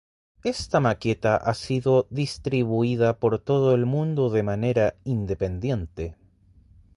Esta maqueta ha sido distribuida por todo el mundo de manera independiente.